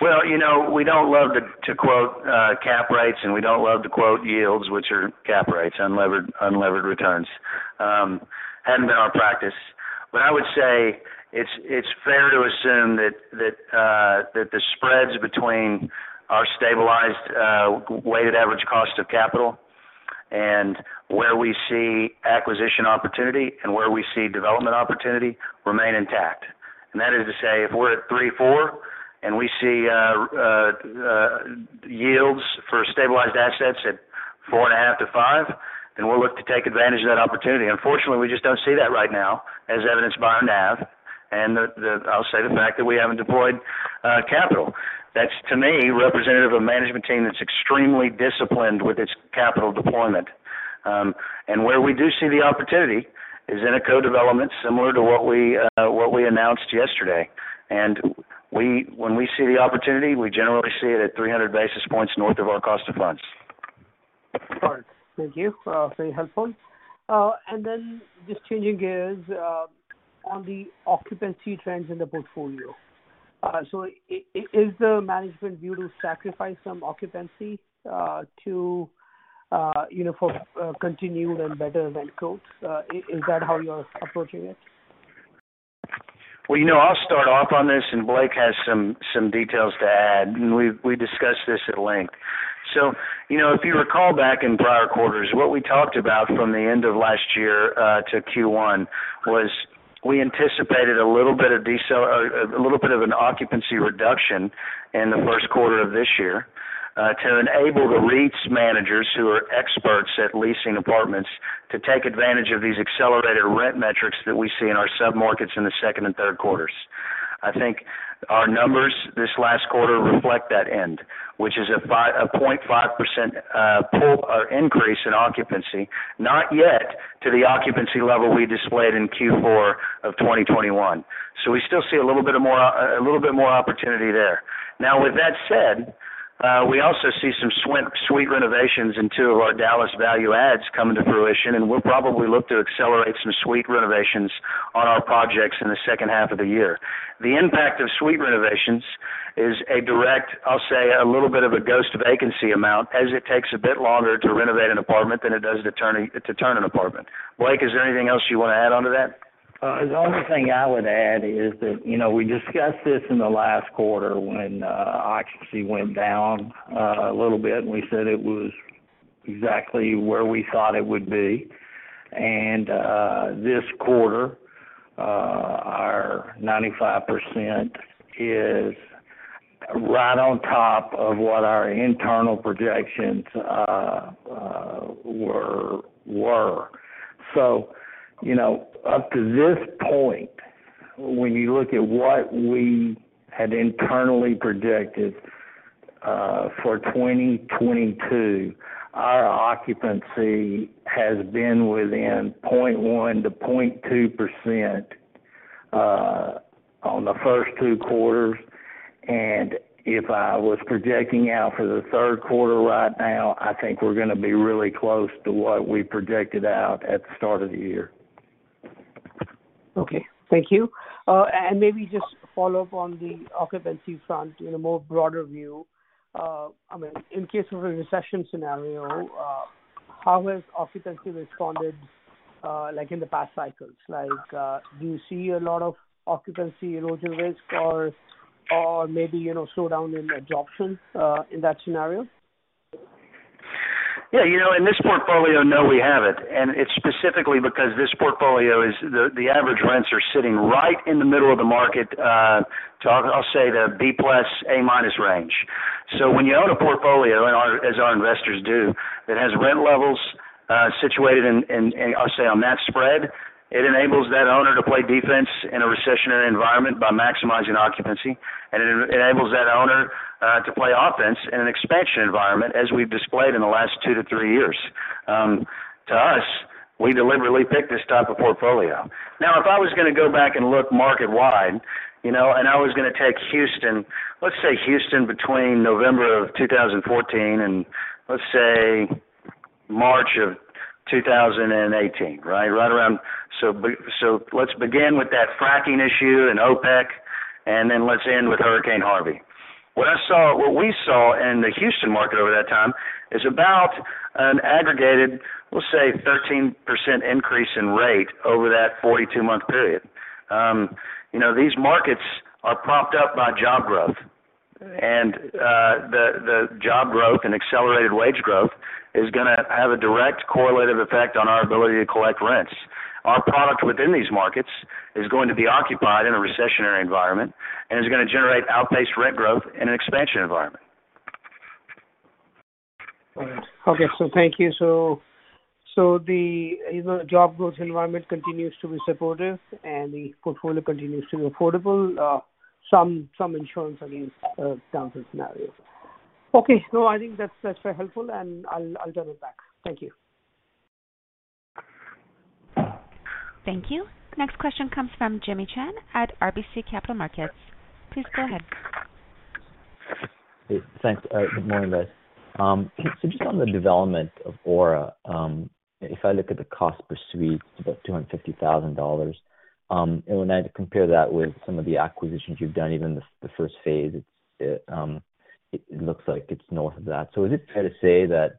Well, you know, we don't love to quote cap rates, and we don't love to quote yields, which are cap rates, unlevered returns. Hadn't been our practice. I would say it's fair to assume that the spreads between our stabilized weighted average cost of capital and where we see acquisition opportunity and where we see development opportunity remain intact. That is to say, if we're at 3.4% and we see yields for stabilized assets at 4.5%-5%, then we'll look to take advantage of that opportunity. Unfortunately, we just don't see that right now as evidenced by our NAV, and the fact that we haven't deployed capital. That's, to me, representative of a management team that's extremely disciplined with its capital deployment. Where we do see the opportunity is in a co-development similar to what we announced yesterday. When we see the opportunity, we generally see it at 300 basis points north of our cost of funds. All right. Thank you. Very helpful. Just changing gears on the occupancy trends in the portfolio. Is the management view to sacrifice some occupancy to you know for continued and better rent growth? Is that how you're approaching it? Well, you know, I'll start off on this, and Blake has some details to add. We discussed this at length. You know, if you recall back in prior quarters, what we talked about from the end of last year to Q1 was we anticipated a little bit of a little bit of an occupancy reduction in the first quarter of this year to enable the REIT's managers who are experts at leasing apartments to take advantage of these accelerated rent metrics that we see in our sub-markets in the second and third quarters. I think our numbers this last quarter reflect that end, which is a 0.5% pull or increase in occupancy, not yet to the occupancy level we displayed in Q4 of 2021. We still see a little bit more opportunity there. Now, with that said, we also see some suite renovations in two of our Dallas value-adds coming to fruition, and we'll probably look to accelerate some suite renovations on our projects in the second half of the year. The impact of suite renovations is a direct, I'll say, a little bit of a ghost vacancy amount as it takes a bit longer to renovate an apartment than it does to turn an apartment. Blake, is there anything else you want to add on to that? The only thing I would add is that, you know, we discussed this in the last quarter when occupancy went down a little bit, and we said it was exactly where we thought it would be. This quarter, our 95% is right on top of what our internal projections were. You know, up to this point, when you look at what we had internally predicted for 2022, our occupancy has been within 0.1%-0.2% on the first two quarters. If I was projecting out for the third quarter right now, I think we're gonna be really close to what we projected out at the start of the year. Okay. Thank you. Maybe just follow up on the occupancy front in a more broader view. I mean, in case of a recession scenario, how has occupancy responded, like in the past cycles? Like, do you see a lot of occupancy erosion risk or maybe, you know, slowdown in adoption, in that scenario? Yeah. You know, in this portfolio, no, we haven't. It's specifically because this portfolio is the average rents are sitting right in the middle of the market, to, I'll say, the B+ / A- range. When you own a portfolio and as our investors do, that has rent levels situated in, I'll say, on that spread, it enables that owner to play defense in a recessionary environment by maximizing occupancy, and it enables that owner to play offense in an expansion environment as we've displayed in the last two to three years. To us, we deliberately pick this type of portfolio. Now, if I was gonna go back and look market wide, you know, and I was gonna take Houston, let's say Houston between November of 2014 and let's say March of 2018, right? Let's begin with that fracking issue and OPEC, and then let's end with Hurricane Harvey. What we saw in the Houston market over that time is about an aggregated, let's say, 13% increase in rate over that 42-month period. You know, these markets are propped up by job growth. The job growth and accelerated wage growth is gonna have a direct correlative effect on our ability to collect rents. Our product within these markets is going to be occupied in a recessionary environment and is gonna generate outpaced rent growth in an expansion environment. All right. Okay. Thank you. You know, the job growth environment continues to be supportive, and the portfolio continues to be affordable, some insurance against downside scenarios. Okay. No, I think that's very helpful, and I'll turn it back. Thank you. Thank you. Next question comes from Jimmy Shan at RBC Capital Markets. Please go ahead. Thanks. Good morning, guys. Just on the development of Aura, if I look at the cost per suite, it's about $250,000. When I compare that with some of the acquisitions you've done, even the first phase, it looks like it's north of that. Is it fair to say that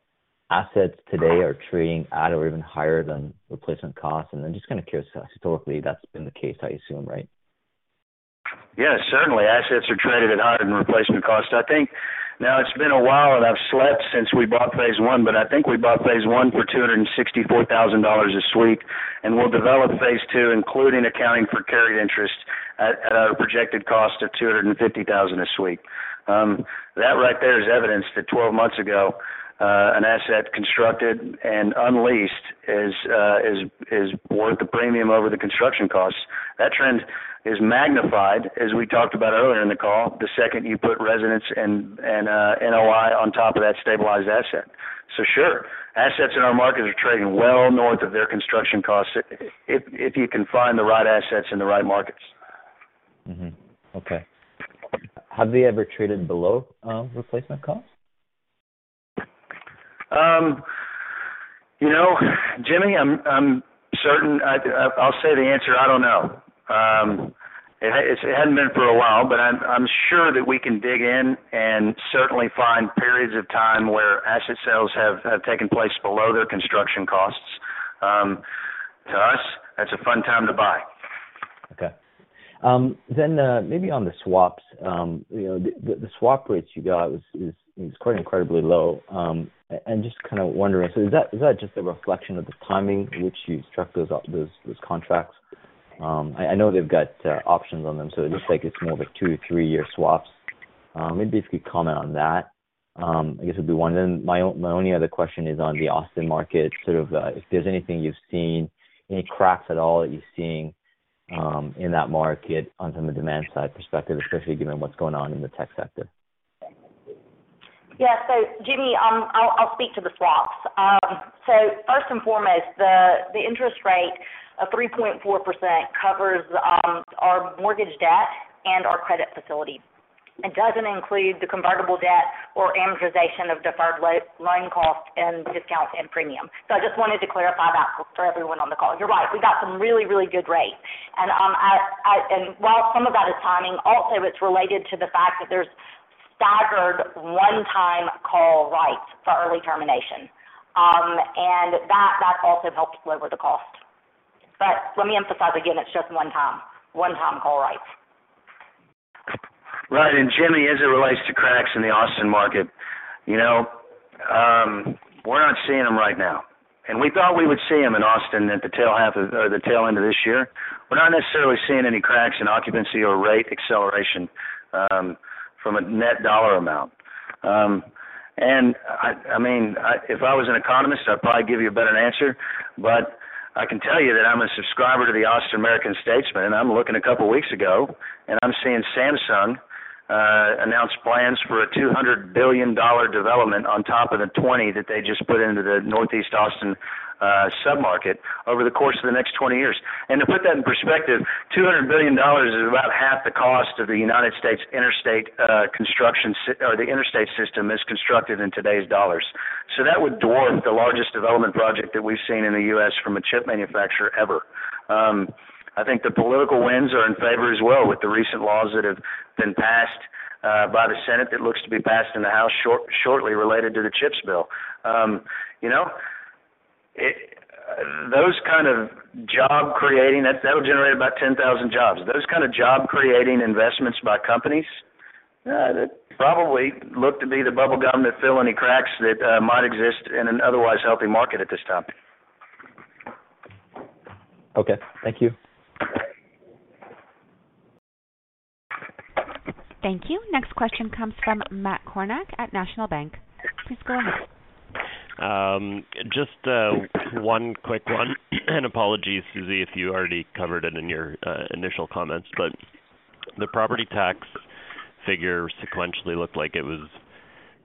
assets today are trading at or even higher than replacement costs? I'm just kind of curious, historically, that's been the case, I assume, right? Yeah. Certainly, assets are traded at higher than replacement costs. I think. Now it's been a while, and I've slept since we bought phase one, but I think we bought phase one for $264,000 this week, and we'll develop phase two, including accounting for carried interest at a projected cost of $250,000 this week. That right there is evidence that 12 months ago, an asset constructed and unleased is worth the premium over the construction costs. That trend is magnified, as we talked about earlier in the call, the second you put residents and NOI on top of that stabilized asset. Sure, assets in our markets are trading well north of their construction costs if you can find the right assets in the right markets. Okay. Have they ever traded below replacement costs? You know, Jimmy, I'm certain. I'll say the answer, I don't know. It hadn't been for a while, but I'm sure that we can dig in and certainly find periods of time where asset sales have taken place below their construction costs. To us, that's a fun time to buy. Okay. Maybe on the swaps, you know, the swap rates you got is quite incredibly low. Just kind of wondering, is that just a reflection of the timing in which you struck those contracts? I know they've got options on them, so it looks like it's more of a two to three-year swaps. Maybe if you could comment on that, I guess it'd be one. My own, my only other question is on the Austin market, sort of, if there's anything you've seen, any cracks at all that you're seeing, in that market or from a demand side perspective, especially given what's going on in the tech sector. Yeah. Jimmy, I'll speak to the swaps. First and foremost, the interest rate of 3.4% covers our mortgage debt and our credit facility. It doesn't include the convertible debt or amortization of deferred loan costs and discounts and premium. I just wanted to clarify that for everyone on the call. You're right. We got some really good rates. While some of that is timing, also it's related to the fact that there's staggered one-time call rights for early termination. That also helps lower the cost. Let me emphasize again, it's just one time call rights. Right. Jimmy, as it relates to cracks in the Austin market, you know, we're not seeing them right now. We thought we would see them in Austin at the tail end of this year. We're not necessarily seeing any cracks in occupancy or rate acceleration, from a net dollar amount. I mean, if I was an economist, I'd probably give you a better answer, but I can tell you that I'm a subscriber to the Austin American-Statesman, and I'm looking a couple weeks ago, and I'm seeing Samsung announce plans for a $200 billion development on top of the $20 billion that they just put into the Northeast Austin sub-market over the course of the next 20 years. To put that in perspective, $200 billion is about half the cost of the United States interstate or the interstate system is constructed in today's dollars. That would dwarf the largest development project that we've seen in the U.S. from a chip manufacturer ever. I think the political winds are in favor as well with the recent laws that have been passed by the Senate that looks to be passed in the House shortly related to the CHIPS bill. You know, those kind of job creating that'll generate about 10,000 jobs. Those kind of job creating investments by companies that probably look to be the bubble gum to fill any cracks that might exist in an otherwise healthy market at this time. Okay. Thank you. Thank you. Next question comes from Matt Kornack at National Bank. Please go ahead. Just one quick one, apologies, Susie, if you already covered it in your initial comments, but the property tax figure sequentially looked like it was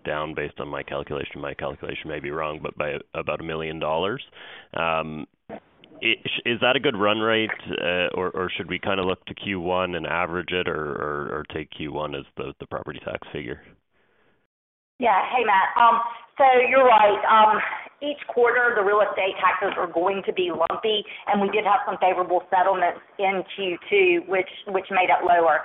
down based on my calculation. My calculation may be wrong, but by about $1 million. Is that a good run rate, or should we kind of look to Q1 and average it or take Q1 as the property tax figure? Yeah. Hey, Matt. You're right. Each quarter the real estate taxes are going to be lumpy, and we did have some favorable settlements in Q2, which made it lower.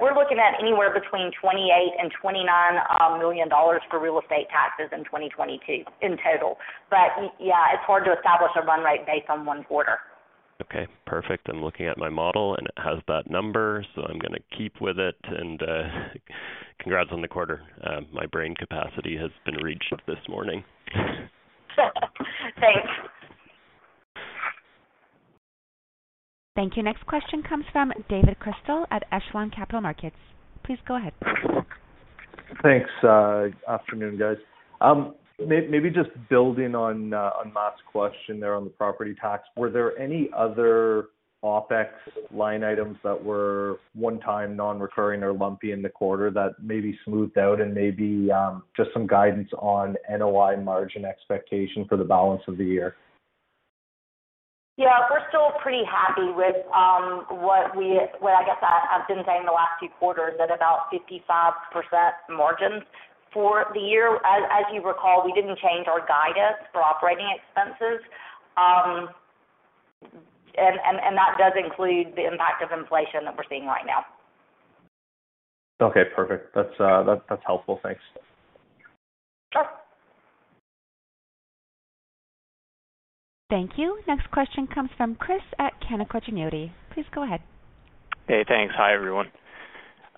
We're looking at anywhere between $28 million and $29 million for real estate taxes in 2022 in total. Yeah, it's hard to establish a run rate based on one quarter. Okay. Perfect. I'm looking at my model, and it has that number, so I'm gonna keep with it, and congrats on the quarter. My brain capacity has been reached this morning. Thanks. Thank you. Next question comes from David Chrystal at Echelon Capital Markets. Please go ahead. Thanks. Afternoon, guys. Maybe just building on Matt's question there on the property tax, were there any other OpEx line items that were one-time non-recurring or lumpy in the quarter that maybe smoothed out and maybe just some guidance on NOI margin expectation for the balance of the year? Yeah. We're still pretty happy with what I've been saying the last few quarters at about 55% margins. For the year, as you recall, we didn't change our guidance for operating expenses. That does include the impact of inflation that we're seeing right now. Okay. Perfect. That's helpful. Thanks. Thank you. Next question comes from Chris at Canaccord Genuity. Please go ahead. Hey, thanks. Hi, everyone.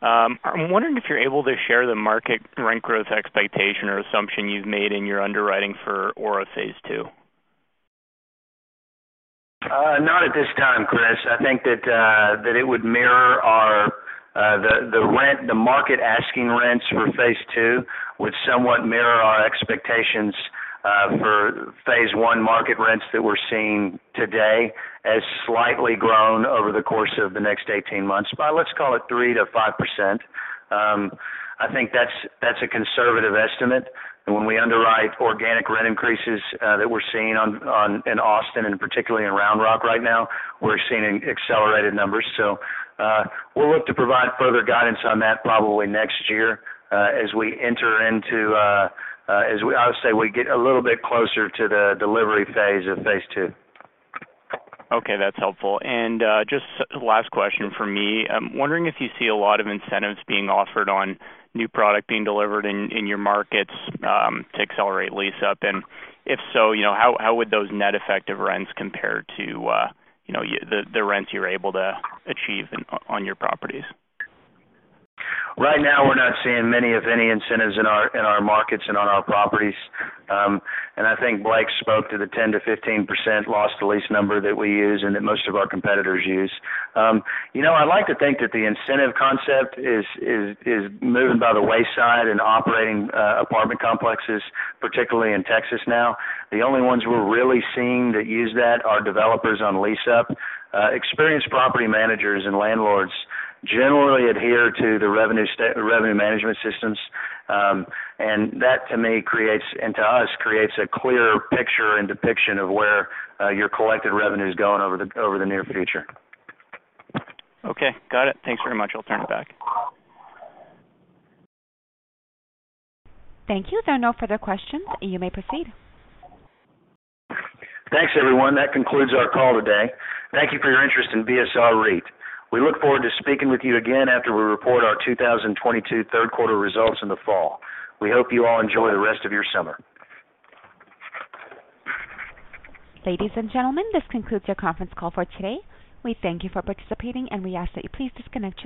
I'm wondering if you're able to share the market rent growth expectation or assumption you've made in your underwriting for Aura phase II. Not at this time, Chris. I think that it would mirror our market asking rents for phase two would somewhat mirror our expectations for phase one market rents that we're seeing today, as slightly grown over the course of the next 18 months by, let's call it 3%-5%. I think that's a conservative estimate. When we underwrite organic rent increases that we're seeing in Austin and particularly in Round Rock right now, we're seeing accelerated numbers. We'll look to provide further guidance on that probably next year as we get a little bit closer to the delivery phase of phase II. Okay, that's helpful. Just last question from me. I'm wondering if you see a lot of incentives being offered on new product being delivered in your markets to accelerate lease up. If so, you know, how would those net effective rents compare to you know, the rents you're able to achieve on your properties? Right now, we're not seeing many of any incentives in our markets and on our properties. I think Blake spoke to the 10%-15% loss to lease number that we use and that most of our competitors use. You know, I like to think that the incentive concept is moving by the wayside in operating apartment complexes, particularly in Texas now. The only ones we're really seeing that use that are developers on lease up. Experienced property managers and landlords generally adhere to the revenue management systems. That to me creates, and to us, creates a clear picture and depiction of where your collected revenue is going over the near future. Okay, got it. Thanks very much. I'll turn it back. Thank you. There are no further questions. You may proceed. Thanks, everyone. That concludes our call today. Thank you for your interest in BSR REIT. We look forward to speaking with you again after we report our 2022 third quarter results in the fall. We hope you all enjoy the rest of your summer. Ladies and gentlemen, this concludes your conference call for today. We thank you for participating, and we ask that you please disconnect your lines.